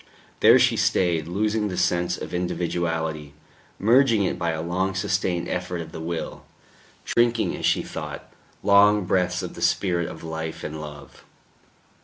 There she stayed, losing the sense of individuality, merging it by a long sustained effort of the will, drinking, as she thought, long breaths of the spirit of life and love....